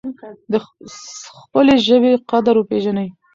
د خپلې ژبې قدر وپیژنئ.